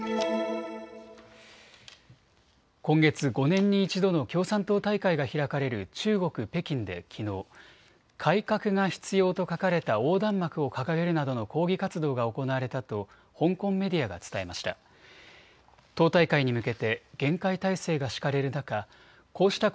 今月、５年に１度の共産党大会が開かれる中国・北京できのう改革が必要と書かれた横断幕を掲げるなどの抗議活動が行われたと香港メディアが伝えました。